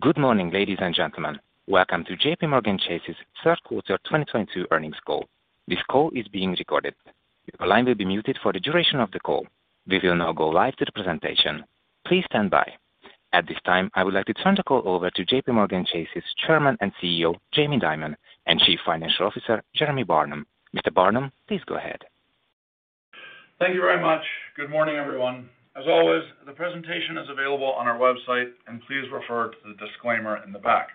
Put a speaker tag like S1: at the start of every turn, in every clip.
S1: Good morning, ladies and gentlemen. Welcome to JPMorgan Chase's Q3 2022 earnings call. This call is being recorded. Your line will be muted for the duration of the call. We will now go live to the presentation. Please stand by. At this time, I would like to turn the call over to JPMorgan Chase's Chairman and CEO, Jamie Dimon, and CFO, Jeremy Barnum. Mr. Barnum, please go ahead.
S2: Thank you very much. Good morning, everyone. As always, the presentation is available on our website, and please refer to the disclaimer in the back.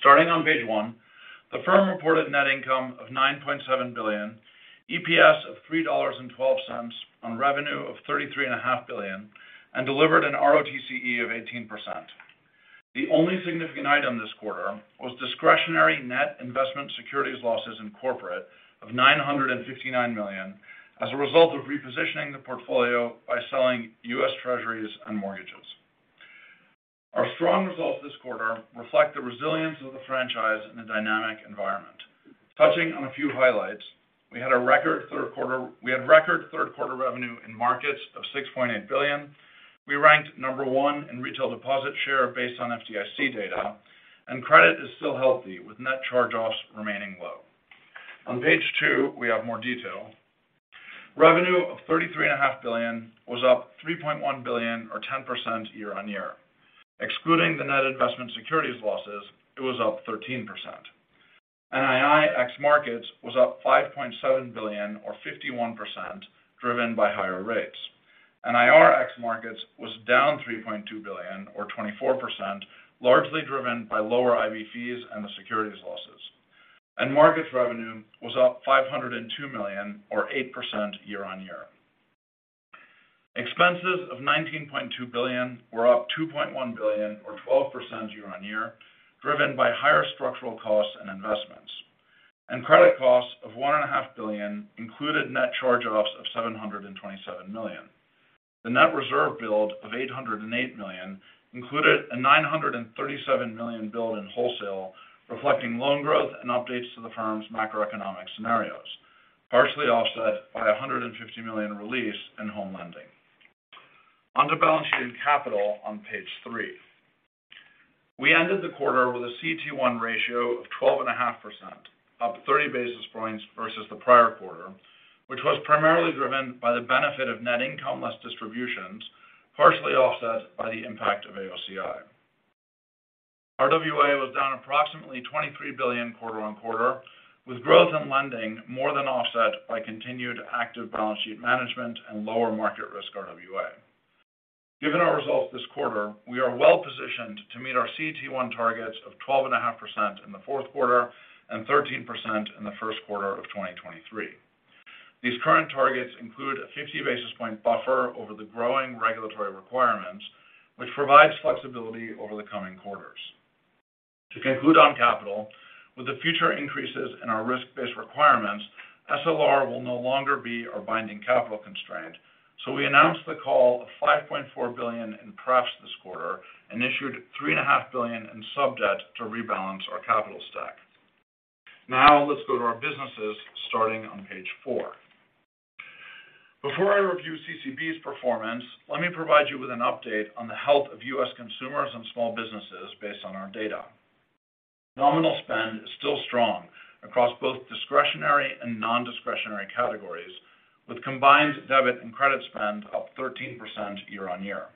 S2: Starting on page 1, the firm reported net income of $9.7 billion, EPS of $3.12 on revenue of $33.5 billion, and delivered an ROTCE of 18%. The only significant item this quarter was discretionary net investment securities losses in corporate of $959 million as a result of repositioning the portfolio by selling U.S. Treasuries and mortgages. Our strong results this quarter reflect the resilience of the franchise in a dynamic environment. Touching on a few highlights, we had record Q3 revenue in markets of $6.8 billion. We ranked number 1 in retail deposit share based on FDIC data, and credit is still healthy with net charge-offs remaining low. On page 2, we have more detail. Revenue of $33.5 billion was up $3.1 billion or 10% year-on-year. Excluding the net investment securities losses, it was up 13%. NII ex markets was up $5.7 billion or 51%, driven by higher rates. NIR ex markets was down $3.2 billion or 24%, largely driven by lower IB fees and the securities losses. Markets revenue was up $502 million or 8% year-on-year. Expenses of $19.2 billion were up $2.1 billion or 12% year-on-year, driven by higher structural costs and investments. Credit costs of $1.5 billion included net charge-offs of $727 million. The net reserve build of $808 million included a $937 million build in wholesale, reflecting loan growth and updates to the firm's macroeconomic scenarios, partially offset by a $150 million release in home lending. Onto balance sheet and capital on page 3. We ended the quarter with a CET1 ratio of 12.5%, up 30 basis points versus the prior quarter, which was primarily driven by the benefit of net income less distributions, partially offset by the impact of AOCI. RWA was down approximately $23 billion quarter-over-quarter, with growth in lending more than offset by continued active balance sheet management and lower market risk RWA. Given our results this quarter, we are well-positioned to meet our CET1 targets of 12.5% in the Q4 and 13% in the Q1 of 2023. These current targets include a 50 basis point buffer over the growing regulatory requirements, which provides flexibility over the coming quarters. To conclude on capital, with the future increases in our risk-based requirements, SLR will no longer be our binding capital constraint. We announced the call of $5.4 billion in pref this quarter and issued $3.5 billion in sub-debt to rebalance our capital stack. Now let's go to our businesses, starting on page 4. Before I review CCB's performance, let me provide you with an update on the health of U.S. consumers and small businesses based on our data. Nominal spend is still strong across both discretionary and non-discretionary categories, with combined debit and credit spend up 13% year-over-year.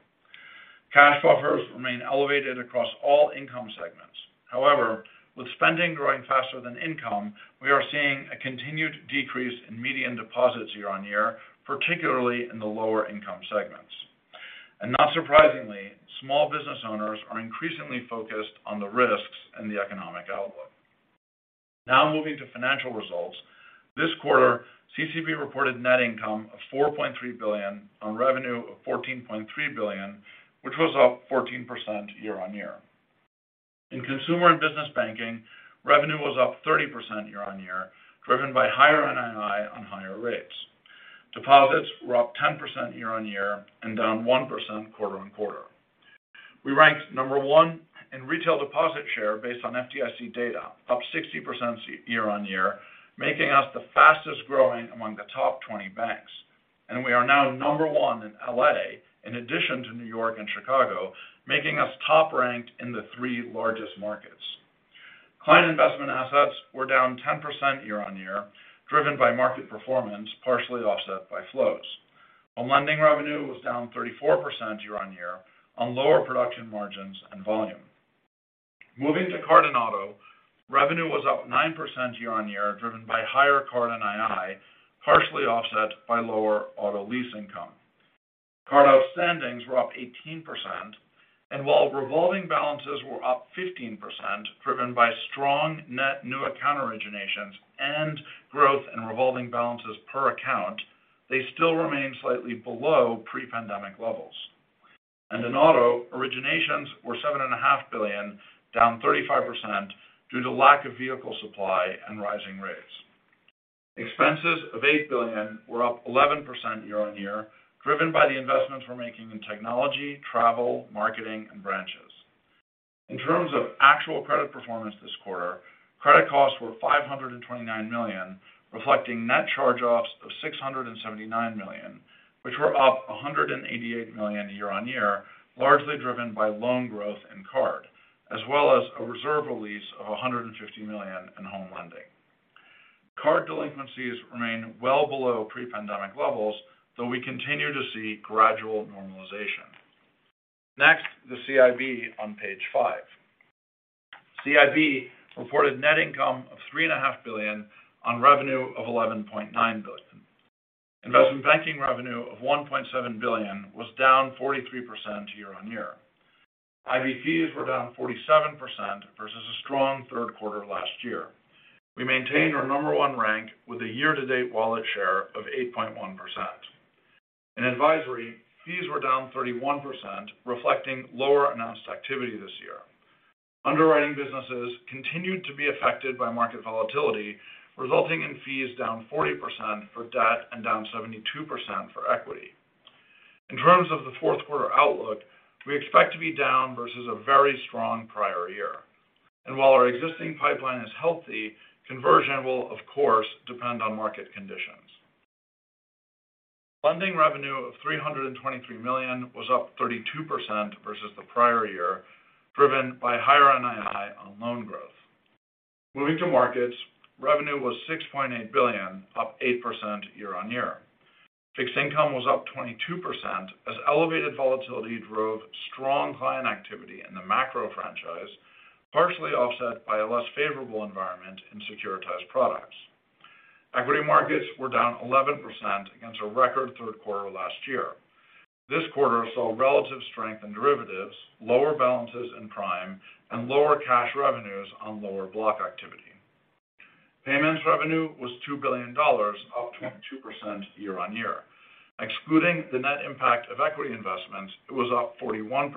S2: Cash buffers remain elevated across all income segments. However, with spending growing faster than income, we are seeing a continued decrease in median deposits year-over-year, particularly in the lower income segments. Not surprisingly, small business owners are increasingly focused on the risks and the economic outlook. Now moving to financial results. This quarter, CCB reported net income of $4.3 billion on revenue of $14.3 billion, which was up 14% year-over-year. In consumer and business banking, revenue was up 30% year-over-year, driven by higher NII on higher rates. Deposits were up 10% year-over-year and down 1% quarter-over-quarter. We ranked number one in retail deposit share based on FDIC data, up 60% year-on-year, making us the fastest growing among the top 20 banks. We are now number one in L.A., in addition to New York and Chicago, making us top-ranked in the three largest markets. Client investment assets were down 10% year-on-year, driven by market performance, partially offset by flows. While lending revenue was down 34% year-on-year on lower production margins and volume. Moving to card and auto, revenue was up 9% year-on-year, driven by higher card NII, partially offset by lower auto lease income. Card outstandings were up 18%. While revolving balances were up 15%, driven by strong net new account originations and growth in revolving balances per account, they still remain slightly below pre-pandemic levels. In auto, originations were $7.5 billion, down 35% due to lack of vehicle supply and rising rates. Expenses of $8 billion were up 11% year-on-year, driven by the investments we're making in technology, travel, marketing, and branches. In terms of actual credit performance this quarter, credit costs were $529 million, reflecting net charge-offs of $679 million, which were up $188 million year-on-year, largely driven by loan growth and card, as well as a reserve release of $150 million in home lending. Card delinquencies remain well below pre-pandemic levels, though we continue to see gradual normalization. Next, the CIB on page 5. CIB reported net income of $3.5 billion on revenue of $11.9 billion. Investment banking revenue of $1.7 billion was down 43% year-on-year. IB fees were down 47% versus a strong Q3 last year. We maintained our number one rank with a year-to-date wallet share of 8.1%. In advisory, fees were down 31%, reflecting lower announced activity this year. Underwriting businesses continued to be affected by market volatility, resulting in fees down 40% for debt and down 72% for equity. In terms of the Q4 outlook, we expect to be down versus a very strong prior year. While our existing pipeline is healthy, conversion will of course depend on market conditions. Funding revenue of $323 million was up 32% versus the prior year, driven by higher NII on loan growth. Moving to markets, revenue was $6.8 billion, up 8% year-over-year. Fixed income was up 22% as elevated volatility drove strong client activity in the macro franchise, partially offset by a less favorable environment in securitized products. Equity markets were down 11% against a record Q3 last year. This quarter saw relative strength in derivatives, lower balances in prime, and lower cash revenues on lower block activity. Payments revenue was $2 billion, up 22% year-on-year. Excluding the net impact of equity investments, it was up 41%,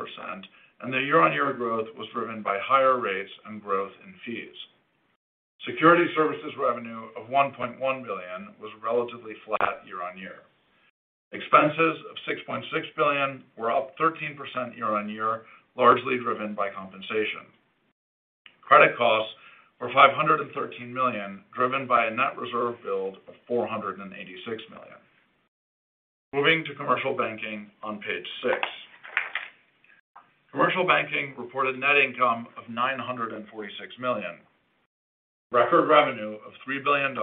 S2: and the year-on-year growth was driven by higher rates and growth in fees. Security services revenue of $1.1 billion was relatively flat year-on-year. Expenses of $6.6 billion were up 13% year-on-year, largely driven by compensation. Credit costs were $513 million, driven by a net reserve build of $486 million. Moving to commercial banking on page six. Commercial banking reported net income of $946 million. Record revenue of $3 billion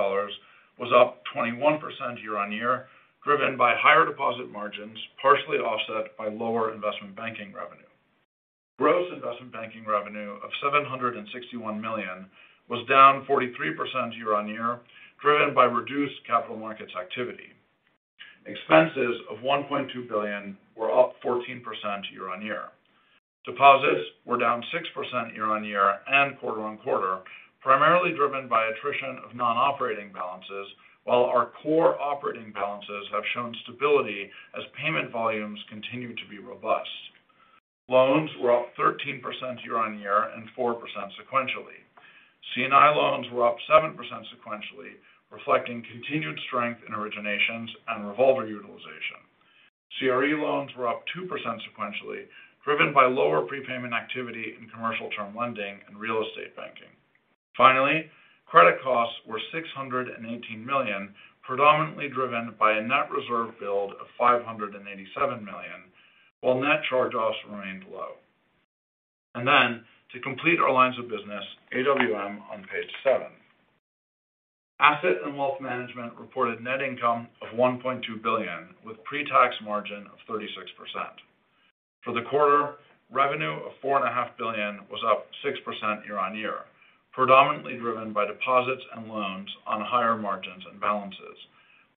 S2: was up 21% year-over-year, driven by higher deposit margins, partially offset by lower investment banking revenue. Gross investment banking revenue of $761 million was down 43% year-over-year, driven by reduced capital markets activity. Expenses of $1.2 billion were up 14% year-over-year. Deposits were down 6% year-over-year and quarter-over-quarter, primarily driven by attrition of non-operating balances, while our core operating balances have shown stability as payment volumes continue to be robust. Loans were up 13% year-over-year and 4% sequentially. C&I loans were up 7% sequentially, reflecting continued strength in originations and revolver utilization. CRE loans were up 2% sequentially, driven by lower prepayment activity in commercial term lending and real estate banking. Finally, credit costs were $618 million, predominantly driven by a net reserve build of $587 million, while net charge-offs remained low. To complete our lines of business, AWM on page seven. Asset and Wealth Management reported net income of $1.2 billion, with pre-tax margin of 36%. For the quarter, revenue of $4.5 billion was up 6% year-over-year, predominantly driven by deposits and loans on higher margins and balances,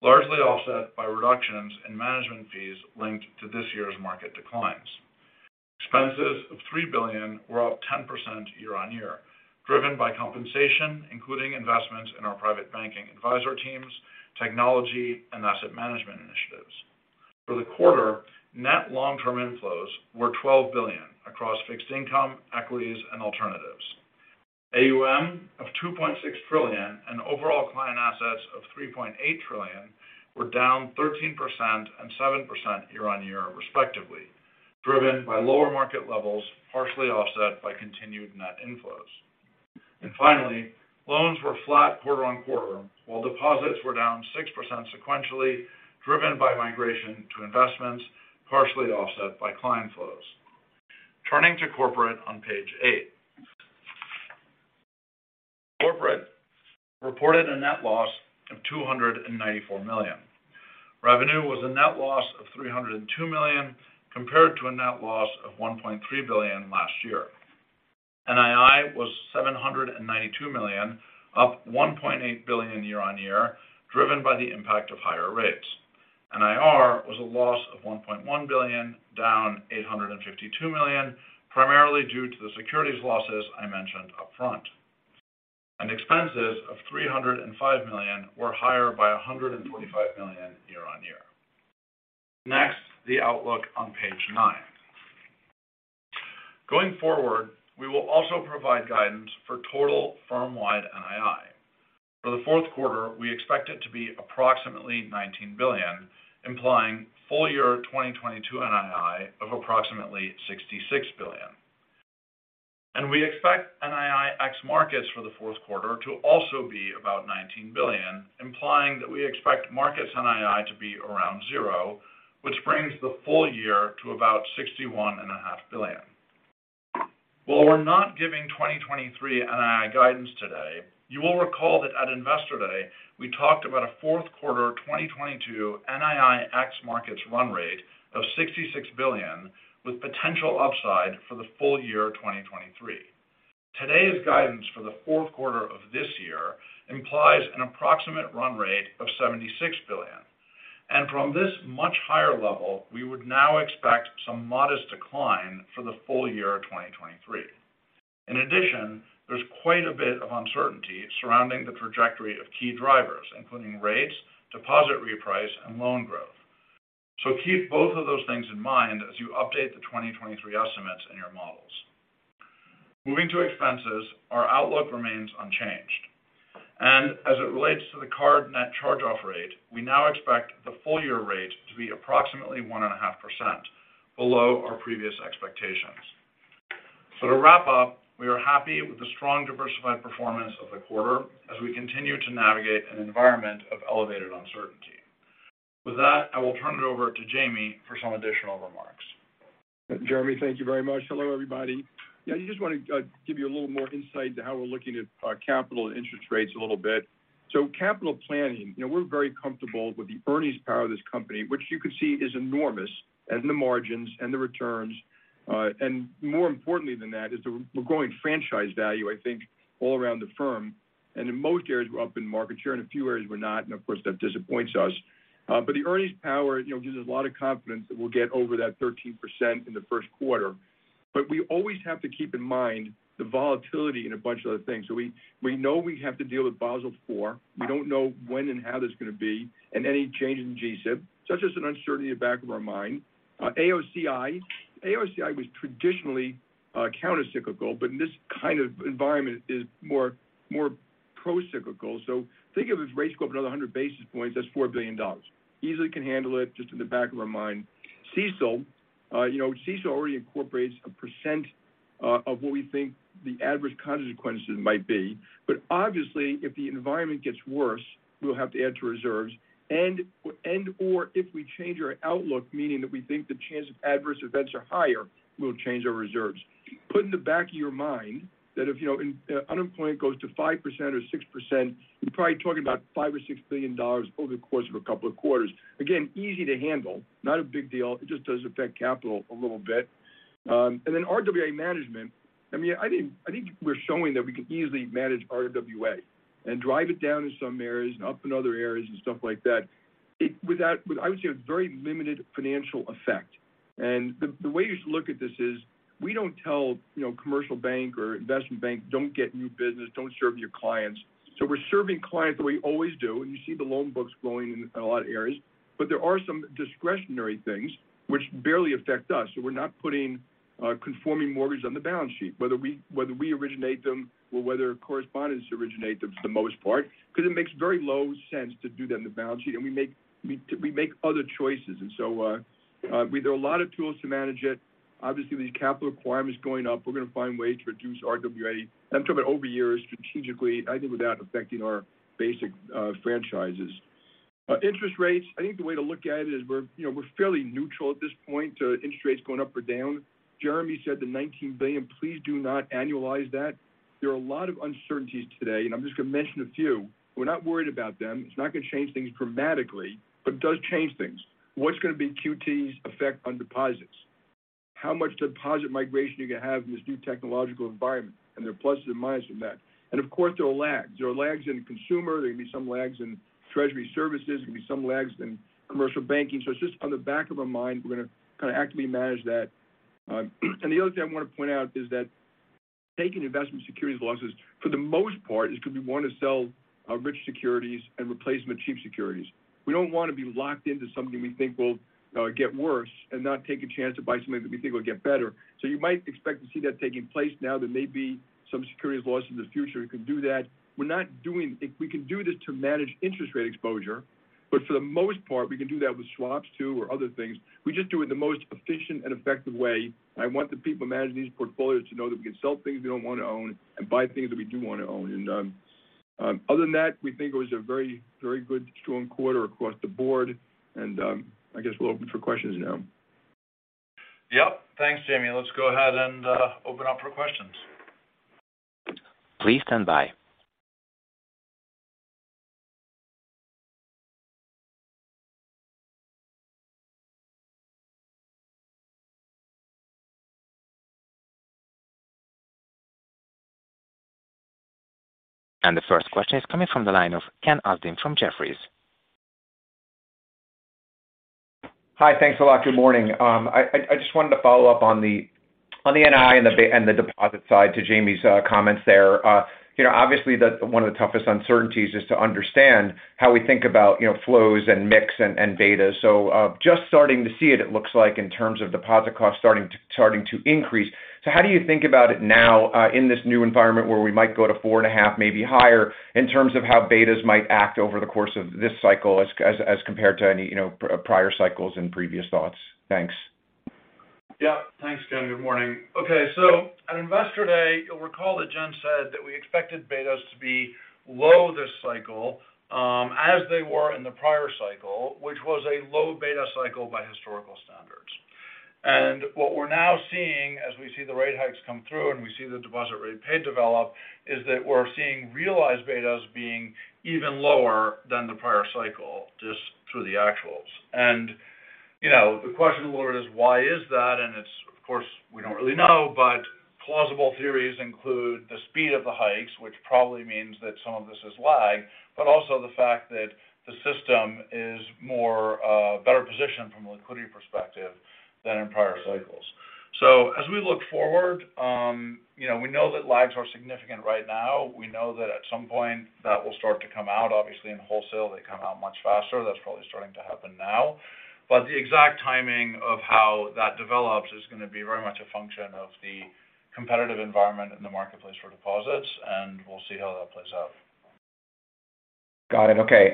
S2: largely offset by reductions in management fees linked to this year's market declines. Expenses of $3 billion were up 10% year-over-year, driven by compensation, including investments in our private banking advisor teams, technology, and asset management initiatives. For the quarter, net long-term inflows were $12 billion across fixed income, equities, and alternatives. AUM of $2.6 trillion and overall client assets of $3.8 trillion were down 13% and 7% year-over-year respectively, driven by lower market levels, partially offset by continued net inflows. Finally, loans were flat quarter-over-quarter, while deposits were down 6% sequentially driven by migration to investments, partially offset by client flows. Turning to corporate on page eight. Corporate reported a net loss of $294 million. Revenue was a net loss of $302 million compared to a net loss of $1.3 billion last year. NII was $792 million, up $1.8 billion year-over-year, driven by the impact of higher rates. NIR was a loss of $1.1 billion, down $852 million, primarily due to the securities losses I mentioned upfront. Expenses of $305 million were higher by $125 million year-on-year. Next, the outlook on page nine. Going forward, we will also provide guidance for total firm-wide NII. For the Q4, we expect it to be approximately $19 billion, implying full year 2022 NII of approximately $66 billion. We expect NII ex markets for the Q4 to also be about $19 billion, implying that we expect markets NII to be around zero, which brings the full year to about $61.5 billion. While we're not giving 2023 NII guidance today, you will recall that at Investor Day, we talked about a Q4 2022 NII ex markets run rate of $66 billion with potential upside for the full year 2023. Today's guidance for the Q4 of this year implies an approximate run rate of $76 billion. From this much higher level, we would now expect some modest decline for the full year 2023. In addition, there's quite a bit of uncertainty surrounding the trajectory of key drivers, including rates, deposit reprice, and loan growth. Keep both of those things in mind as you update the 2023 estimates in your models. Moving to expenses, our outlook remains unchanged. As it relates to the card net charge-off rate, we now expect the full year rate to be approximately 1.5% below our previous expectations. To wrap up, we are happy with the strong diversified performance of the quarter as we continue to navigate an environment of elevated uncertainty. With that, I will turn it over to Jamie for some additional remarks.
S3: Jeremy, thank you very much. Hello, everybody. Yeah, I just want to give you a little more insight into how we're looking at capital and interest rates a little bit. Capital planning, you know, we're very comfortable with the earnings power of this company, which you can see is enormous as the margins and the returns. More importantly than that is the growing franchise value, I think all around the firm. In most areas we're up in market share, in a few areas we're not, and of course that disappoints us. The earnings power, you know, gives us a lot of confidence that we'll get over that 13% in the Q1. We always have to keep in mind the volatility in a bunch of other things. We know we have to deal with Basel IV. We don't know when and how that's going to be, and any change in G-SIB, such as an uncertainty in the back of our mind. AOCI. AOCI was traditionally countercyclical, but in this kind of environment is more procyclical. Think of it as rates go up another 100 basis points, that's $4 billion. Easily can handle it just in the back of our mind. CECL. You know, CECL already incorporates a percent of what we think the adverse consequences might be. Obviously, if the environment gets worse, we'll have to add to reserves and/or if we change our outlook, meaning that we think the chance of adverse events are higher, we'll change our reserves. Put in the back of your mind that if you know unemployment goes to 5% or 6%, you're probably talking about $5 billion or $6 billion over the course of a couple of quarters. Again, easy to handle, not a big deal. It just does affect capital a little bit. RWA management. I mean, I think we're showing that we can easily manage RWA and drive it down in some areas and up in other areas and stuff like that. It with, I would say, a very limited financial effect. The way you should look at this is we don't tell you know commercial bank or investment bank, don't get new business, don't serve your clients. We're serving clients the way you always do. You see the loan books growing in a lot of areas. There are some discretionary things which barely affect us. We're not putting conforming mortgage on the balance sheet, whether we originate them or whether correspondents originate them for the most part, because it makes very low sense to do that in the balance sheet. We make other choices. There are a lot of tools to manage it. Obviously, the capital requirement is going up. We're going to find ways to reduce RWA. I'm talking about over years, strategically, I think without affecting our basic franchises. Interest rates. I think the way to look at it is we're, you know, we're fairly neutral at this point to interest rates going up or down. Jeremy said the $19 billion, please do not annualize that. There are a lot of uncertainties today, and I'm just going to mention a few. We're not worried about them. It's not going to change things dramatically, but it does change things. What's going to be QT's effect on deposits? How much deposit migration are you going to have in this new technological environment? There are pluses and minuses in that. Of course, there are lags. There are lags in consumer. There can be some lags in Treasury services. There can be some lags in commercial banking. It's just on the back of our mind. We're going to kind of actively manage that. The other thing I want to point out is that taking investment securities losses, for the most part, is because we want to sell rich securities and replacement cheap securities. We don't want to be locked into something we think will get worse and not take a chance to buy something that we think will get better. You might expect to see that taking place now. There may be some securities lost in the future. We can do that. If we can do this to manage interest rate exposure, but for the most part, we can do that with swaps too or other things. We just do it the most efficient and effective way. I want the people managing these portfolios to know that we can sell things we don't want to own and buy things that we do want to own. Other than that, we think it was a very, very good strong quarter across the board. I guess we're open for questions now.
S2: Yep. Thanks, Jamie. Let's go ahead and open up for questions.
S1: Please stand by. The first question is coming from the line of Ken Usdin from Jefferies.
S4: Hi. Thanks a lot. Good morning. I just wanted to follow up on the NII and the deposit side to Jamie's comments there. You know, obviously one of the toughest uncertainties is to understand how we think about, you know, flows and mix and betas. Just starting to see it looks like in terms of deposit costs starting to increase. How do you think about it now, in this new environment where we might go to 4.5, maybe higher, in terms of how betas might act over the course of this cycle as compared to any, you know, prior cycles and previous thoughts? Thanks.
S3: Yeah. Thanks, Ken. Good morning. Okay. At Investor Day, you'll recall that Jen said that we expected betas to be low this cycle, as they were in the prior cycle, which was a low beta cycle by historical standards. What we're now seeing as we see the rate hikes come through, and we see the deposit rate paid develop, is that we're seeing realized betas being even lower than the prior cycle, just through the actuals. You know, the question now is why is that? It's, of course, we don't really know, but plausible theories include the speed of the hikes, which probably means that some of this is lag, but also the fact that the system is much better positioned from a liquidity perspective than in prior cycles. As we look forward, you know, we know that lags are significant right now. We know that at some point that will start to come out. Obviously in wholesale, they come out much faster. That's probably starting to happen now. But the exact timing of how that develops is gonna be very much a function of the competitive environment in the marketplace for deposits, and we'll see how that plays out.
S4: Got it. Okay.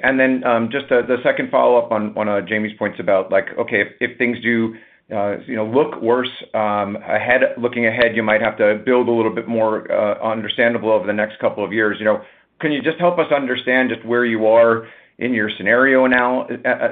S4: Just the second follow-up on Jamie's points about like, okay, if things do you know, look worse ahead, looking ahead, you might have to build a little bit more understandable over the next couple of years. You know, can you just help us understand just where you are in your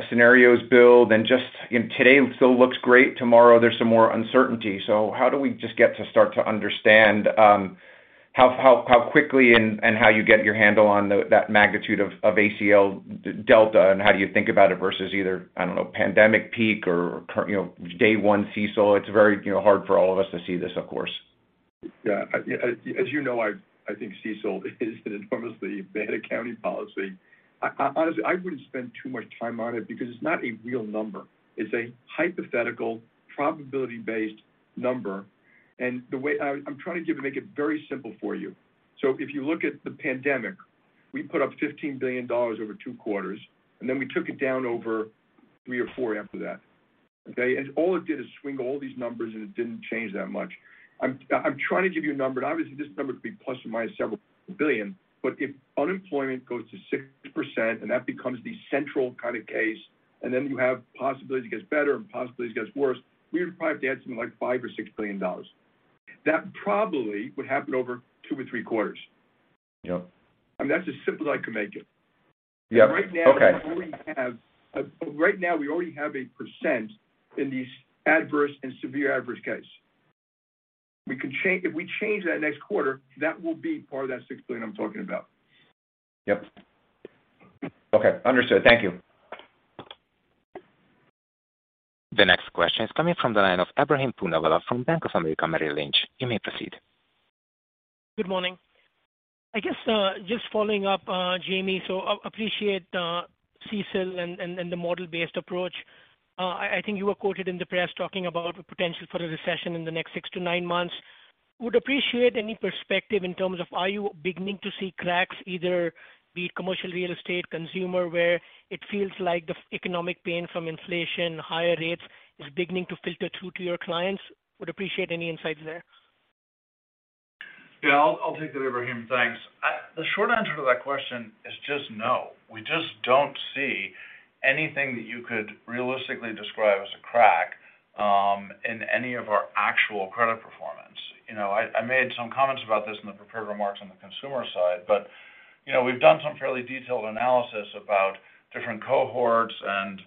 S4: scenarios build and just you know, today still looks great, tomorrow there's some more uncertainty. How do we just get to start to understand how quickly and how you get your handle on that magnitude of ACL delta and how do you think about it versus either, I don't know, pandemic peak or day one CECL? It's very you know, hard for all of us to see this, of course.
S3: Yeah. I, as you know, I think CECL is an enormously bad accounting policy. I, honestly, I wouldn't spend too much time on it because it's not a real number. It's a hypothetical probability-based number. I'm trying to give and make it very simple for you. If you look at the pandemic, we put up $15 billion over two quarters, and then we took it down over three or four after that, okay? All it did is swing all these numbers, and it didn't change that much. I'm trying to give you a number, and obviously this number could be ± several billion, but if unemployment goes to 6% and that becomes the central kind of case, and then you have possibility it gets better and possibility it gets worse, we would probably have to add something like $5 billion or $6 billion. That probably would happen over two or three quarters.
S4: Yep.
S3: I mean, that's as simple as I can make it.
S4: Yeah. Okay.
S3: Right now, we already have 1% in these adverse and severely adverse cases. We can change. If we change that next quarter, that will be part of that $6 billion I'm talking about.
S4: Yep. Okay. Understood. Thank you.
S1: The next question is coming from the line of Ebrahim Poonawala from Bank of America Merrill Lynch. You may proceed.
S5: Good morning. I guess just following up, Jamie, so appreciate CECL and the model-based approach. I think you were quoted in the press talking about the potential for the recession in the next 6-9 months. Would appreciate any perspective in terms of are you beginning to see cracks either in commercial real estate, consumer, where it feels like the economic pain from inflation, higher rates is beginning to filter through to your clients? Would appreciate any insights there.
S2: Yeah, I'll take that, Ebrahim, thanks. The short answer to that question is just no. We just don't see anything that you could realistically describe as a crack in any of our actual credit performance. You know, I made some comments about this in the prepared remarks on the consumer side, but you know, we've done some fairly detailed analysis about different cohorts and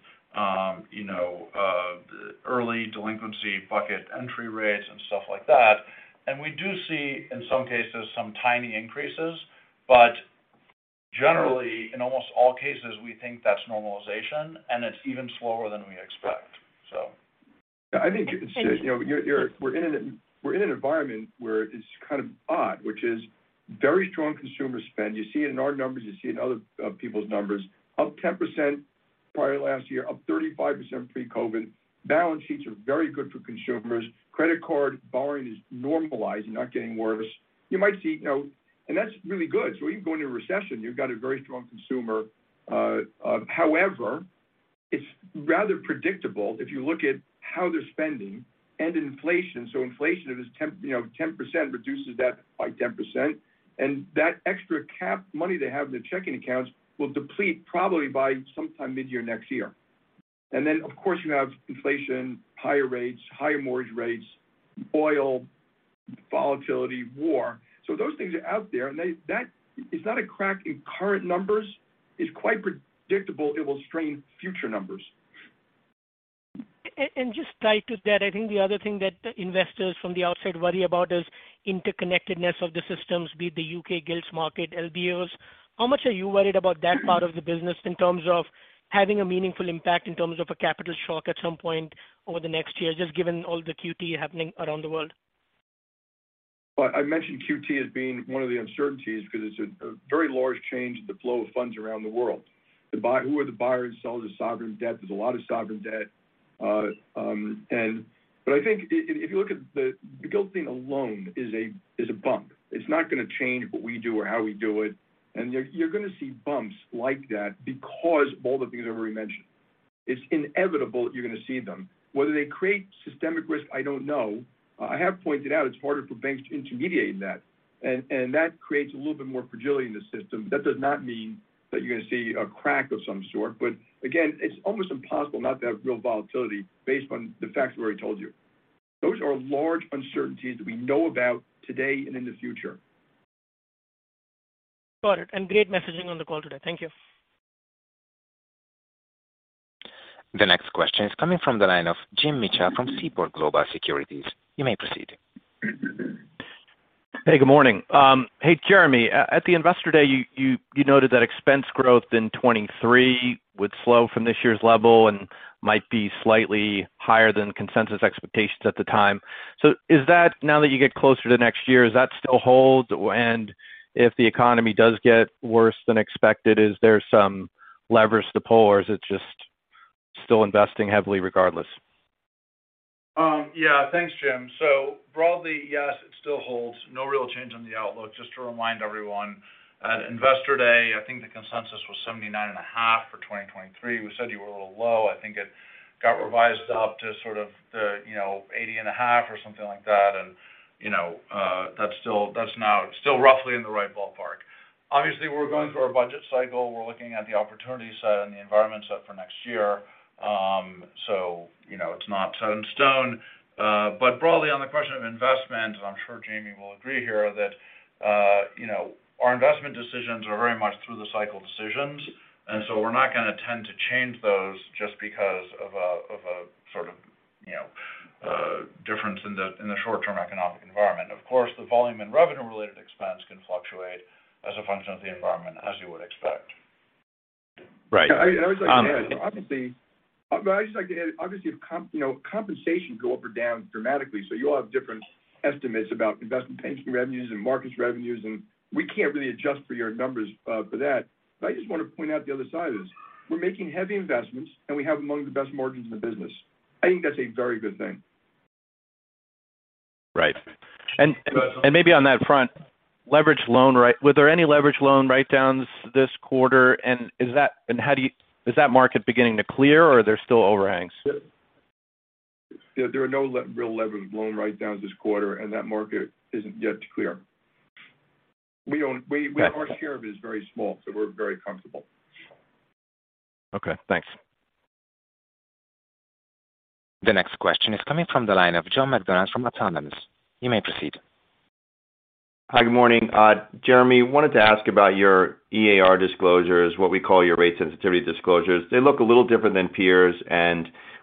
S2: early delinquency bucket entry rates and stuff like that. We do see, in some cases, some tiny increases, but generally, in almost all cases, we think that's normalization, and it's even slower than we expect, so.
S3: Yeah, I think it's just we're in an environment where it's kind of odd, which is very strong consumer spend. You see it in our numbers, you see it in other people's numbers. Up 10% prior to last year, up 35% pre-COVID. Balance sheets are very good for consumers. Credit card borrowing is normalizing, not getting worse. You might see. That's really good. When you go into a recession, you've got a very strong consumer. However, it's rather predictable if you look at how they're spending and inflation. Inflation of this 10% reduces that by 10%. That extra cash money they have in their checking accounts will deplete probably by sometime mid-year next year. Of course, you have inflation, higher rates, higher mortgage rates, oil volatility, war. Those things are out there, and that is not a crack in current numbers. It's quite predictable it will strain future numbers.
S5: Just tied to that, I think the other thing that investors from the outside worry about is interconnectedness of the systems, be it the UK Gilts market, LBOs. How much are you worried about that part of the business in terms of having a meaningful impact in terms of a capital shock at some point over the next year, just given all the QT happening around the world?
S3: I mentioned QT as being one of the uncertainties because it's a very large change in the flow of funds around the world. Who are the buyers and sellers of sovereign debt? There's a lot of sovereign debt. I think if you look at the Gilt alone is a bump. It's not going to change what we do or how we do it. You're gonna see bumps like that because all the things I've already mentioned. It's inevitable you're gonna see them. Whether they create systemic risk, I don't know. I have pointed out it's harder for banks to intermediate that. That creates a little bit more fragility in the system. That does not mean that you're gonna see a crack of some sort. Again, it's almost impossible not to have real volatility based on the facts we already told you. Those are large uncertainties that we know about today and in the future.
S5: Got it. Great messaging on the call today. Thank you.
S1: The next question is coming from the line of Jim Mitchell from Seaport Global Securities. You may proceed.
S6: Hey, good morning. Hey, Jeremy. At the Investor Day, you noted that expense growth in 2023 would slow from this year's level and might be slightly higher than consensus expectations at the time. Is that now that you get closer to next year, does that still hold? If the economy does get worse than expected, is there some leverage to pull, or is it just still investing heavily regardless?
S2: Yeah. Thanks, Jim. Broadly, yes, it still holds. No real change on the outlook. Just to remind everyone, at Investor Day, I think the consensus was 79.5% for 2023. We said you were a little low. I think it got revised up to sort of the, you know, 80.5% or something like that. You know, that's now still roughly in the right ballpark. Obviously, we're going through our budget cycle. We're looking at the opportunity set and the environment set for next year. You know, it's not set in stone. Broadly on the question of investment, I'm sure Jamie will agree here that, you know, our investment decisions are very much through the cycle decisions, and so we're not gonna tend to change those just because of a sort of, you know, difference in the short-term economic environment. Of course, the volume and revenue related expense can fluctuate as a function of the environment as you would expect.
S6: Right.
S3: I always like to add, obviously. I just like to add, obviously, if, you know, compensation go up or down dramatically, so you'll have different estimates about investment banking revenues and markets revenues, and we can't really adjust for your numbers, for that. I just want to point out the other side of this. We're making heavy investments, and we have among the best margins in the business. I think that's a very good thing.
S6: Right. Maybe on that front, leveraged loan, right? Were there any leveraged loan write-downs this quarter? Is that market beginning to clear or are there still overhangs?
S3: There are no real leveraged loan write-downs this quarter, and that market isn't yet clear. Our share of it is very small, so we're very comfortable.
S6: Okay, thanks.
S1: The next question is coming from the line of John McDonald from Autonomous. You may proceed.
S7: Hi, good morning. Jeremy, wanted to ask about your EAR disclosures, what we call your rate sensitivity disclosures. They look a little different than peers.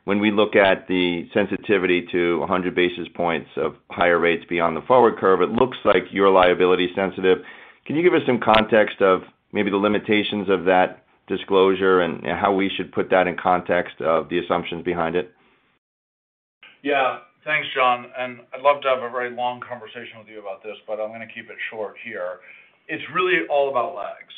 S7: When we look at the sensitivity to 100 basis points of higher rates beyond the forward curve, it looks like you're liability sensitive. Can you give us some context of maybe the limitations of that disclosure and how we should put that in context of the assumptions behind it?
S2: Yeah. Thanks, John. I'd love to have a very long conversation with you about this, but I'm gonna keep it short here. It's really all about lags.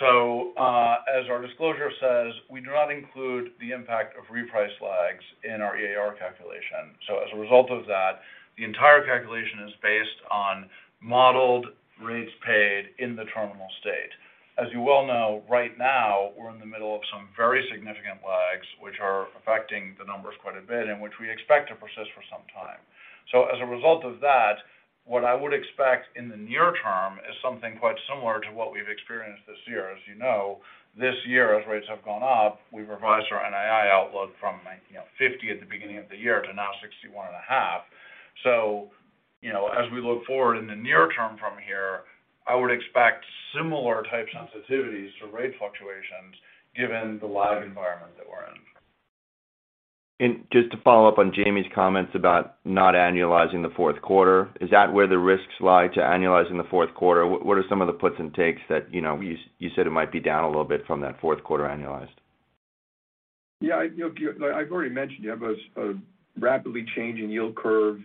S2: As our disclosure says, we do not include the impact of reprice lags in our EAR calculation. As a result of that, the entire calculation is based on modeled rates paid in the terminal state. As you well know, right now, we're in the middle of some very significant lags which are affecting the numbers quite a bit, and which we expect to persist for some time. As a result of that, what I would expect in the near term is something quite similar to what we've experienced this year. As you know, this year as rates have gone up, we've revised our NII outlook from $90, you know, $50 at the beginning of the year to now $61.5. You know, as we look forward in the near term from here, I would expect similar type sensitivities to rate fluctuations given the lag environment that we're in.
S7: Just to follow up on Jamie's comments about not annualizing the Q4, is that where the risks lie to annualizing the Q4? What are some of the puts and takes that, you know, you said it might be down a little bit from that Q4 annualized?
S3: Yeah. You know, I've already mentioned you have a rapidly changing yield curve,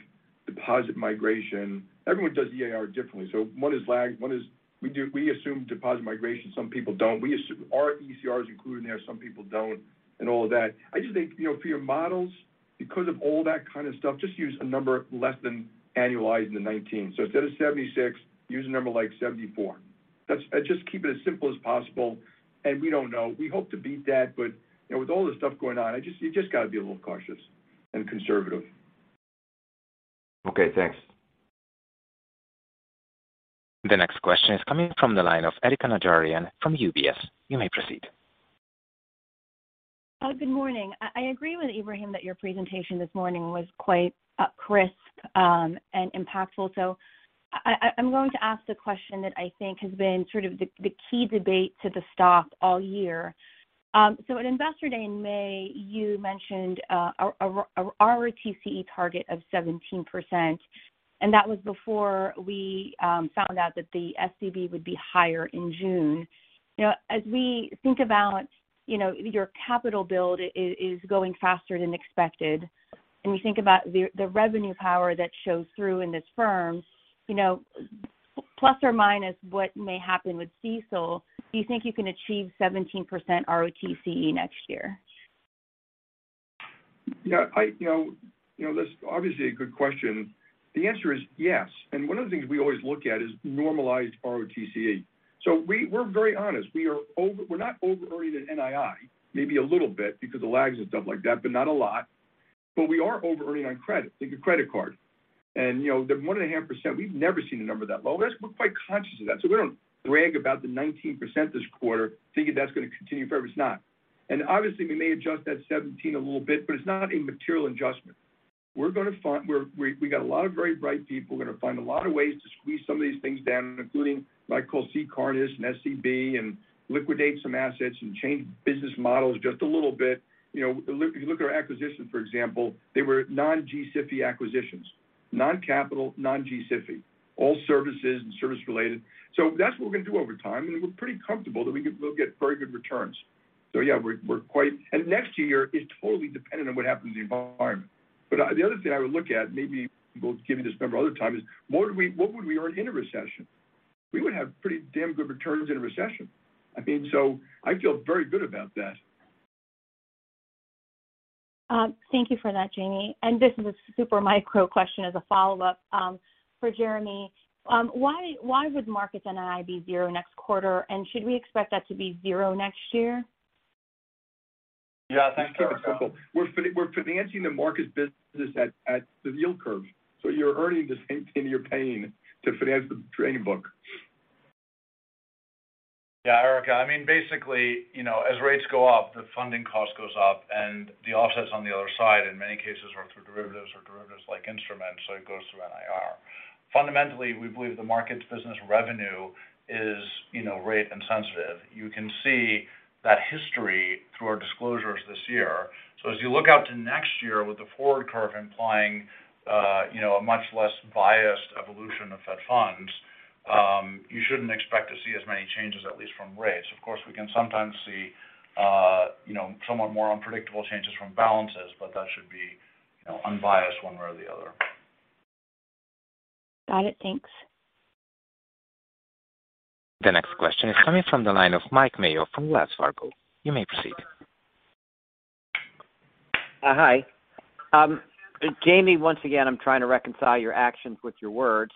S3: deposit migration. Everyone does EAR differently. One is lag, one is we assume deposit migration. Some people don't. Our ECR is included in there, some people don't, and all of that. I just think, you know, for your models, because of all that kind of stuff, just use a number less than annualized in the 19. Instead of 76, use a number like 74. That's just keep it as simple as possible. We don't know. We hope to beat that. You know, with all this stuff going on, you just got to be a little cautious and conservative.
S7: Okay, thanks.
S1: The next question is coming from the line of Erika Najarian from UBS. You may proceed.
S8: Good morning. I agree with Ebrahim that your presentation this morning was quite crisp and impactful. I'm going to ask the question that I think has been sort of the key debate to the stock all year. At Investor Day in May, you mentioned a ROTCE target of 17%, and that was before we found out that the SCB would be higher in June. You know, as we think about your capital build is going faster than expected, and you think about the revenue power that shows through in this firm, you know, plus or minus what may happen with CECL, do you think you can achieve 17% ROTCE next year?
S3: Yeah, you know, that's obviously a good question. The answer is yes. One of the things we always look at is normalized ROTCE. We're very honest. We're not overearning at NII, maybe a little bit because of lags and stuff like that, but not a lot. We are overearning on credit. Think a credit card. You know, the 1.5%, we've never seen a number that low. We're quite conscious of that. We don't brag about the 19% this quarter thinking that's gonna continue forever. It's not. Obviously, we may adjust that 17 a little bit, but it's not a material adjustment. We got a lot of very bright people. We're gonna find a lot of ways to squeeze some of these things down, including what I call G-SIB surcharge and SCB and liquidate some assets and change business models just a little bit. You know, if you look at our acquisitions, for example, they were non-G-SIFI acquisitions. Non-capital, non-G-SIFI. All services and service related. That's what we're gonna do over time, and we're pretty comfortable that we can get very good returns. Yeah, we're quite. Next year is totally dependent on what happens in the environment. The other thing I would look at, maybe we'll give you this number other time, is what would we earn in a recession? We would have pretty damn good returns in a recession. I mean, so I feel very good about that.
S8: Thank you for that, Jamie. This is a super micro question as a follow-up for Jeremy. Why would markets NII be zero next quarter? Should we expect that to be zero next year?
S2: Yeah. Thanks, Erika. We're financing the markets businesses at the yield curve, so you're earning the same thing you're paying to finance the trading book. Yeah, Erika. I mean, basically, you know, as rates go up, the funding cost goes up, and the offsets on the other side in many cases are through derivatives or derivatives like instruments, so it goes through NIR. Fundamentally, we believe the markets business revenue is, you know, rate insensitive. You can see that history through our disclosures this year. As you look out to next year with the forward curve implying, you know, a much less biased evolution of Fed funds, you shouldn't expect to see as many changes at least from rates. Of course, we can sometimes see, you know, somewhat more unpredictable changes from balances, but that should be, you know, unbiased one way or the other.
S8: Got it. Thanks.
S1: The next question is coming from the line of Mike Mayo from Wells Fargo. You may proceed.
S9: Hi. Jamie, once again, I'm trying to reconcile your actions with your words.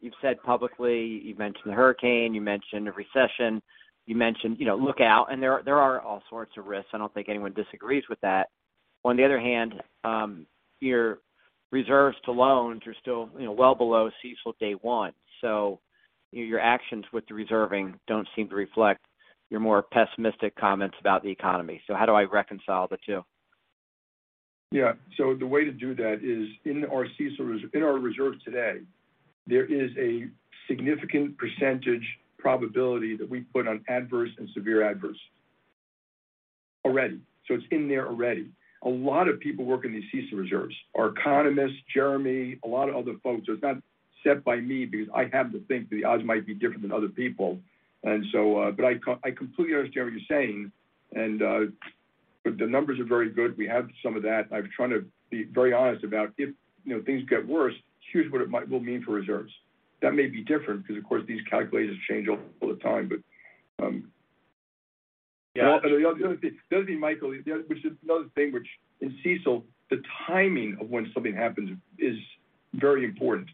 S9: You've said publicly, you've mentioned the hurricane, you mentioned a recession, you mentioned, you know, look out, and there are all sorts of risks. I don't think anyone disagrees with that. On the other hand, your reserves to loans are still, you know, well below CECL day one. Your actions with the reserving don't seem to reflect your more pessimistic comments about the economy. How do I reconcile the two?
S3: Yeah. The way to do that is in our CECL reserve today, there is a significant percentage probability that we put on adverse and severe adverse already. It's in there already. A lot of people work in these CECL reserves. Our economists, Jeremy, a lot of other folks. It's not set by me because I happen to think the odds might be different than other people. But I completely understand what you're saying, and the numbers are very good. We have some of that. I'm trying to be very honest about if, you know, things get worse, here's what it will mean for reserves. That may be different because, of course, these calculators change all the time. The other thing, Michael, which is another thing which in CECL, the timing of when something happens is very important.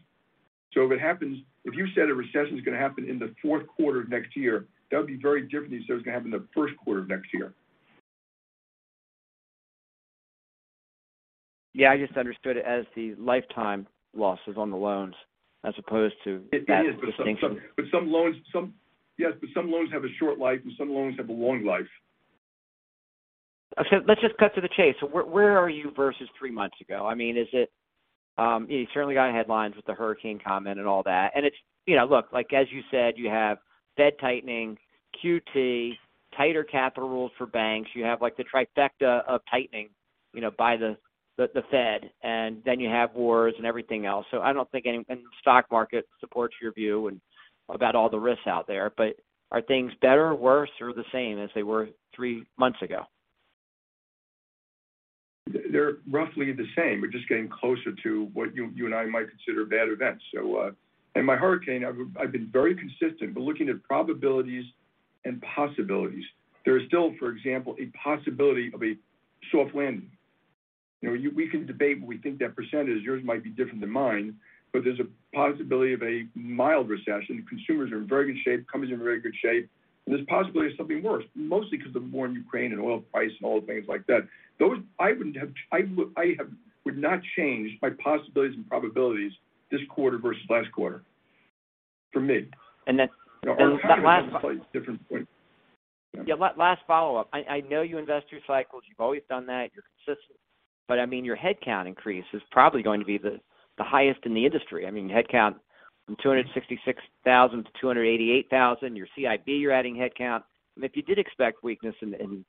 S3: If you said a recession is gonna happen in the Q4 of next year, that would be very different than if you said it was gonna happen in the Q1 of next year.
S9: Yeah. I just understood it as the lifetime losses on the loans as opposed to that distinction.
S3: It is. Yes. Some loans have a short life, and some loans have a long life.
S9: Let's just cut to the chase. Where are you versus three months ago? I mean, is it? You certainly got headlines with the hurricane comment and all that. It's, you know, look, like as you said, you have Fed tightening, QT, tighter capital rules for banks. You have like the trifecta of tightening, you know, by the Fed, and then you have wars and everything else. I don't think, and the stock market supports your view about all the risks out there. Are things better, worse, or the same as they were three months ago?
S3: They're roughly the same. We're just getting closer to what you and I might consider bad events. My hurricane, I've been very consistent. We're looking at probabilities and possibilities. There is still, for example, a possibility of a soft landing. You know, we can debate what we think that percentage is. Yours might be different than mine, but there's a possibility of a mild recession. Consumers are in very good shape, companies are in very good shape. There's a possibility of something worse, mostly because of the war in Ukraine and oil price and all the things like that. Those I would not change my possibilities and probabilities this quarter versus last quarter for me.
S9: Last
S3: Slightly different point.
S9: Yeah. Last follow-up. I know you invest through cycles. You've always done that. You're consistent. I mean, your headcount increase is probably going to be the highest in the industry. I mean, headcount from 266,000 to 288,000. Your CIB, you're adding headcount. If you did expect weakness in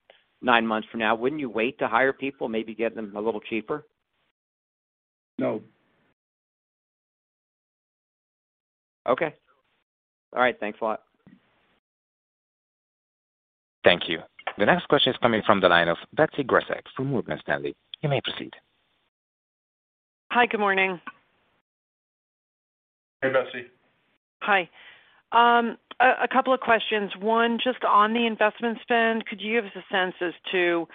S9: Nine months from now, wouldn't you wait to hire people, maybe get them a little cheaper?
S3: No.
S9: Okay. All right. Thanks a lot.
S1: Thank you. The next question is coming from the line of Betsy Graseck from Morgan Stanley. You may proceed.
S10: Hi, good morning.
S3: Hey, Betsy.
S10: Hi. A couple of questions. One, just on the investment spend, could you give us a sense as to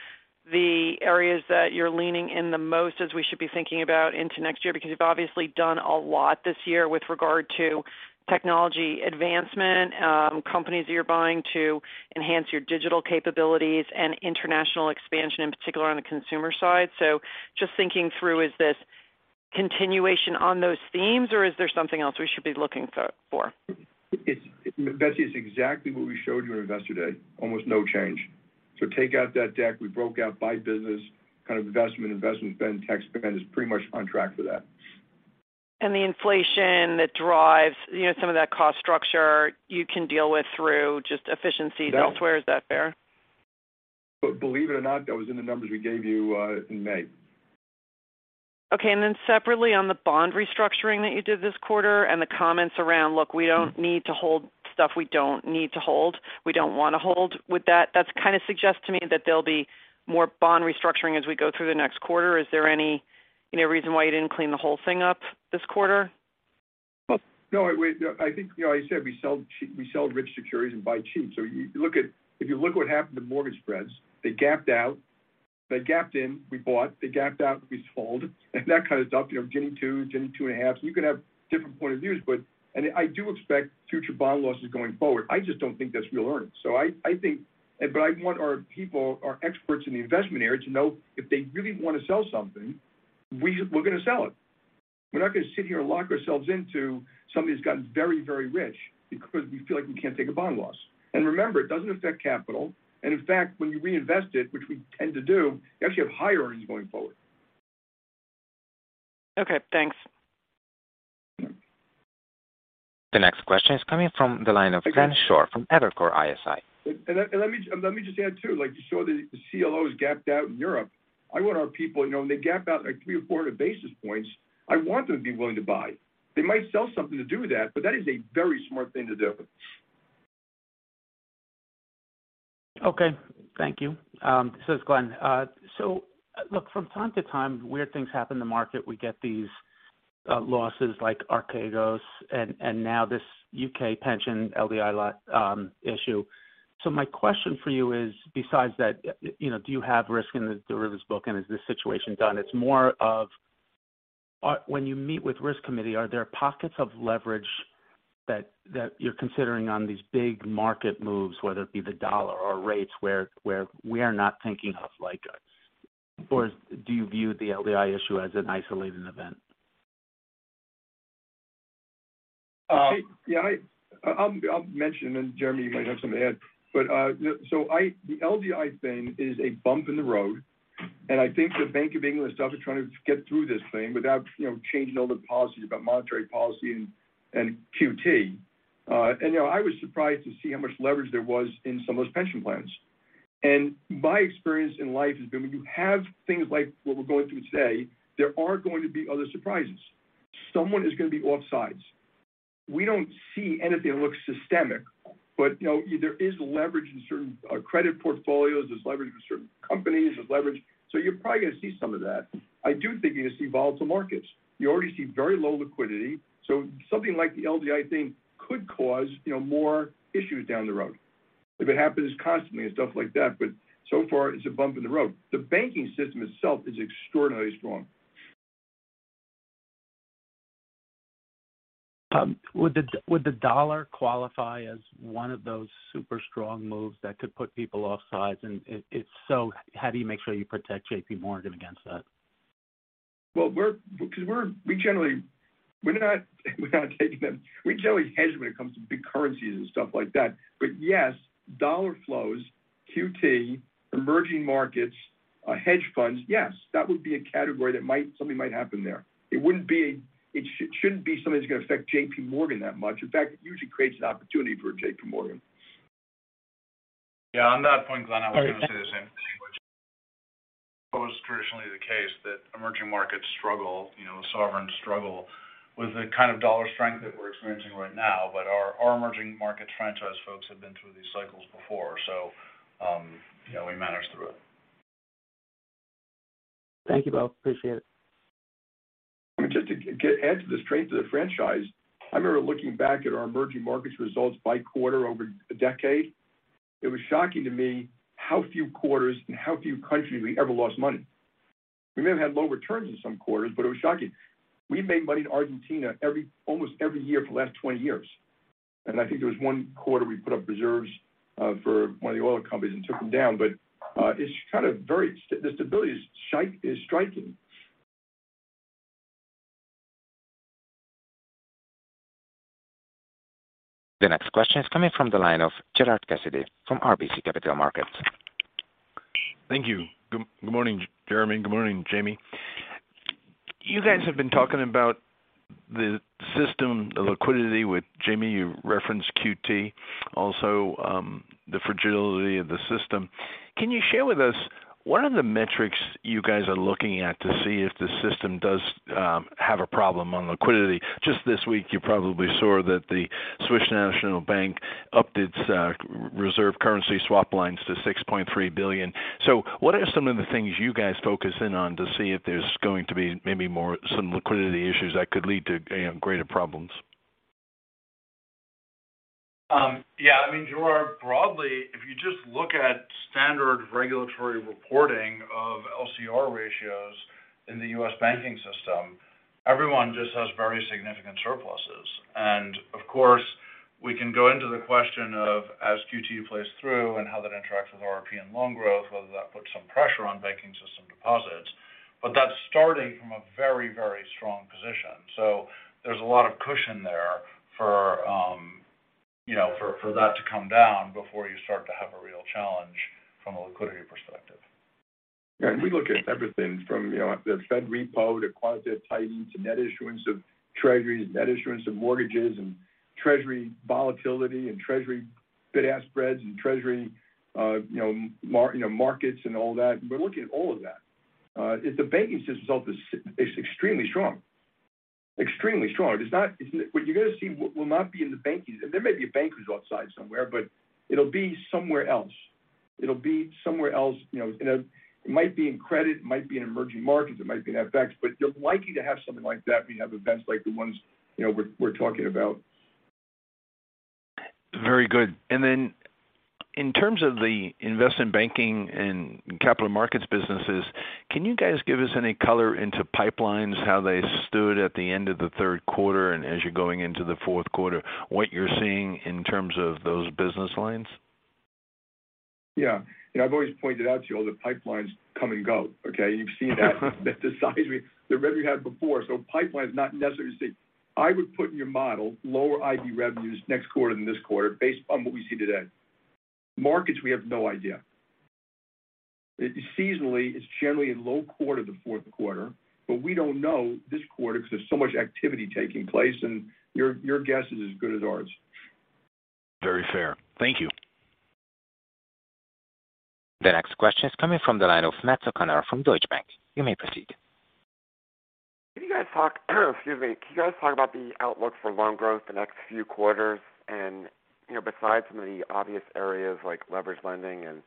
S10: the areas that you're leaning in the most as we should be thinking about into next year? Because you've obviously done a lot this year with regard to technology advancement, companies that you're buying to enhance your digital capabilities and international expansion, in particular on the consumer side. Just thinking through, is this continuation on those themes or is there something else we should be looking for?
S3: Betsy, it's exactly what we showed you in Investor Day, almost no change. Take out that deck. We broke out by business, kind of investment spend, tech spend is pretty much on track for that.
S10: The inflation that drives, you know, some of that cost structure you can deal with through just efficiency elsewhere. Is that fair?
S3: Believe it or not, that was in the numbers we gave you in May.
S10: Okay. Separately on the bond restructuring that you did this quarter and the comments around, "Look, we don't need to hold stuff we don't need to hold, we don't wanna hold." With that kind of suggests to me that there'll be more bond restructuring as we go through the next quarter. Is there any reason why you didn't clean the whole thing up this quarter?
S3: No. I think I said we sell rich securities and buy cheap. If you look what happened to mortgage spreads, they gapped out. They gapped in, we bought. They gapped out, we sold. That kind of stuff, you know, getting 2.5. You could have different points of view, but and I do expect future bond losses going forward. I just don't think that's real earnings. I think. But I want our people, our experts in the investment area to know if they really want to sell something, we're gonna sell it. We're not gonna sit here and lock ourselves into something that's gotten very, very rich because we feel like we can't take a bond loss. Remember, it doesn't affect capital. In fact, when you reinvest it, which we tend to do, you actually have higher earnings going forward.
S10: Okay, thanks.
S1: The next question is coming from the line of Glenn Schorr from Evercore ISI.
S3: Let me just add, too. Like you saw the CLOs gapped out in Europe. I want our people, you know, when they gap out like 300 or 400 basis points, I want them to be willing to buy. They might sell something to do that, but that is a very smart thing to do.
S11: Okay. Thank you. This is Glenn. Look, from time to time, weird things happen in the market. We get these losses like Archegos and now this U.K. pension LDI issue. My question for you is, besides that, you know, do you have risk in the derivatives book and is this situation done? It's more of, when you meet with Risk Committee, are there pockets of leverage that you're considering on these big market moves, whether it be the dollar or rates where we are not thinking of like, or do you view the LDI issue as an isolated event?
S3: I'll mention, and Jeremy, you might have something to add, but the LDI thing is a bump in the road, and I think the Bank of England stuff is trying to get through this thing without, you know, changing all the policies about monetary policy and QT. You know, I was surprised to see how much leverage there was in some of those pension plans. My experience in life has been when you have things like what we're going through today, there are going to be other surprises. Someone is gonna be offsides. We don't see anything that looks systemic, but you know, there is leverage in certain credit portfolios. There's leverage with certain companies. There's leverage. You're probably gonna see some of that. I do think you're gonna see volatile markets. You already see very low liquidity. something like the LDI thing could cause, you know, more issues down the road if it happens constantly and stuff like that. so far, it's a bump in the road. The banking system itself is extraordinarily strong.
S11: Would the dollar qualify as one of those super strong moves that could put people offsides? How do you make sure you protect JPMorgan against that?
S3: Well, we're not taking them. We generally hedge when it comes to big currencies and stuff like that. Yes, dollar flows, QT, emerging markets, hedge funds, yes, that would be a category something might happen there. It shouldn't be something that's gonna affect JPMorgan that much. In fact, it usually creates an opportunity for JPMorgan.
S2: Yeah. On that point, Glenn, I was gonna say the same thing, which was traditionally the case, that emerging markets struggle, you know, sovereign struggle with the kind of dollar strength that we're experiencing right now. But our emerging market franchise folks have been through these cycles before, so, you know, we manage through it.
S11: Thank you both. Appreciate it.
S3: Just to add to the strength of the franchise, I remember looking back at our emerging markets results by quarter over a decade. It was shocking to me how few quarters and how few countries we ever lost money. We may have had low returns in some quarters, but it was shocking. We made money in Argentina almost every year for the last 20 years. I think there was one quarter we put up reserves for one of the oil companies and took them down. It's kind of the stability is striking.
S1: The next question is coming from the line of Gerard Cassidy from RBC Capital Markets.
S6: Thank you. Good morning, Jeremy. Good morning, Jamie.
S12: You guys have been talking about the system liquidity with Jamie. You referenced QT also, the fragility of the system. Can you share with us what are the metrics you guys are looking at to see if the system does have a problem on liquidity? Just this week, you probably saw that the Swiss National Bank upped its reserve currency swap lines to $6.3 billion. What are some of the things you guys focus in on to see if there's going to be maybe more some liquidity issues that could lead to greater problems?
S2: Yeah, I mean, Gerard, broadly, if you just look at standard regulatory reporting of LCR ratios in the U.S. banking system, everyone just has very significant surpluses. Of course, we can go into the question of as QT plays through and how that interacts with ON RRP loan growth, whether that puts some pressure on banking system deposits. That's starting from a very, very strong position. There's a lot of cushion there for, you know, for that to come down before you start to have a real challenge from a liquidity perspective.
S3: We look at everything from, you know, the Fed repo to quantitative tightening to net issuance of treasuries, net issuance of mortgages, and treasury volatility and treasury bid-ask spreads and treasury, you know, markets and all that. We're looking at all of that. If the banking system result is extremely strong. Extremely strong. What you're going to see will not be in the banking. There may be a banker outside somewhere, but it'll be somewhere else. It'll be somewhere else. You know, it might be in credit, it might be in emerging markets, it might be in FX, but you're likely to have something like that when you have events like the ones, you know, we're talking about.
S12: Very good. In terms of the investment banking and capital markets businesses, can you guys give us any color into pipelines, how they stood at the end of the Q3 and as you're going into the Q4, what you're seeing in terms of those business lines?
S3: Yeah. I've always pointed out to you all the pipelines come and go. Okay. You've seen that the revenue had before, so pipeline is not necessarily. I would put in your model lower IB revenues next quarter than this quarter based on what we see today. Markets, we have no idea. Seasonally, it's generally a low quarter, the Q4, but we don't know this quarter because there's so much activity taking place. Your guess is as good as ours.
S12: Very fair. Thank you.
S1: The next question is coming from the line of Matt O'Connor from Deutsche Bank. You may proceed.
S13: Can you guys talk about the outlook for loan growth the next few quarters? You know, besides some of the obvious areas like leveraged lending and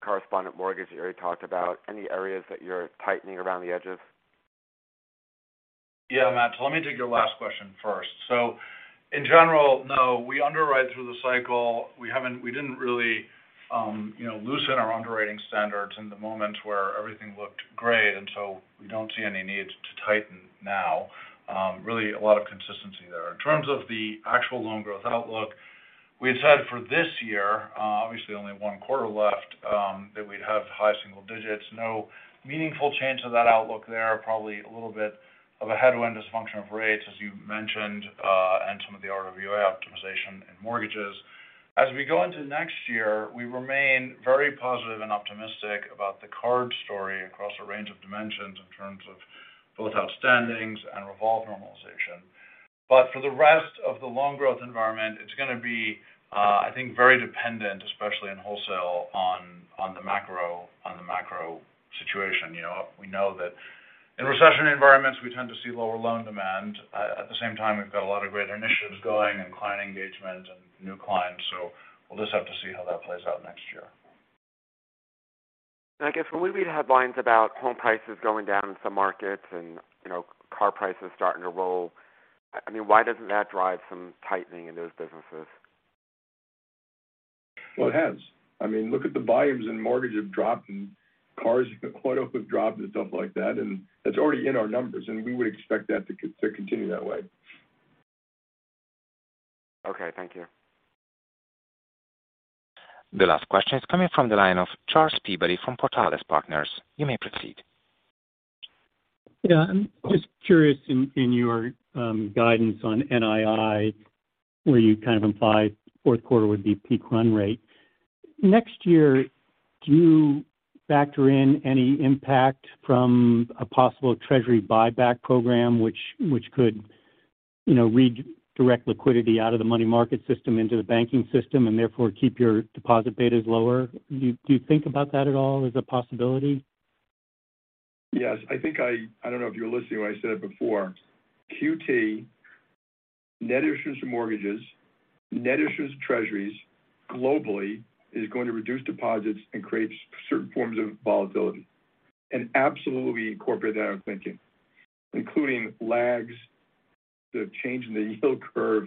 S13: correspondent mortgage you already talked about, any areas that you're tightening around the edges?
S2: Yeah, Matt. Let me take your last question first. In general, no, we underwrite through the cycle. We didn't really, you know, loosen our underwriting standards in the moment where everything looked great, and so we don't see any need to tighten now. Really a lot of consistency there. In terms of the actual loan growth outlook, we had said for this year, obviously only one quarter left, that we'd have high single digits. No meaningful change to that outlook there. Probably a little bit of a headwind as a function of rates, as you mentioned, and some of the RWA optimization in mortgages. As we go into next year, we remain very positive and optimistic about the card story across a range of dimensions in terms of both outstandings and revolve normalization. For the rest of the loan growth environment, it's going to be, I think, very dependent, especially in wholesale on the macro situation. You know, we know that in recession environments we tend to see lower loan demand. At the same time, we've got a lot of great initiatives going and client engagement and new clients. We'll just have to see how that plays out next year.
S13: I guess when we read headlines about home prices going down in some markets and, you know, car prices starting to roll, I mean, why doesn't that drive some tightening in those businesses?
S3: Well, it has. I mean, look at the volumes in mortgage have dropped and cars have quite often dropped and stuff like that, and that's already in our numbers, and we would expect that to continue that way.
S13: Okay. Thank you.
S1: The last question is coming from the line of Charles Peabody from Portales Partners. You may proceed.
S14: Yeah. I'm just curious in your guidance on NII, where you kind of implied Q4 would be peak run rate. Next year, do you factor in any impact from a possible Treasury buyback program which could, you know, redirect liquidity out of the money market system into the banking system and therefore keep your deposit betas lower? Do you think about that at all as a possibility?
S3: Yes. I don't know if you were listening when I said it before. QT, net issuance of mortgages, net issuance treasuries globally is going to reduce deposits and create certain forms of volatility. Absolutely incorporate that thinking, including lags, the change in the yield curve,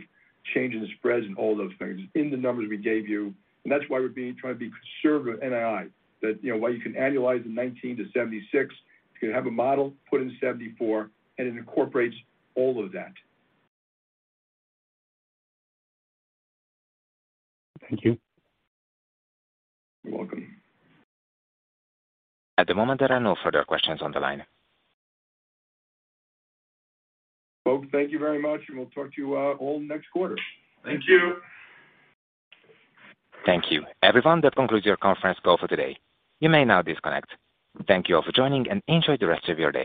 S3: change in the spreads and all those things in the numbers we gave you. That's why we're being conservative with NII. That, you know, while you can annualize in 19-76, if you have a model, put in 74, and it incorporates all of that.
S14: Thank you.
S3: You're welcome.
S1: At the moment, there are no further questions on the line.
S3: Folks, thank you very much, and we'll talk to you all next quarter.
S2: Thank you.
S1: Thank you. Everyone, that concludes your conference call for today. You may now disconnect. Thank you all for joining, and enjoy the rest of your day.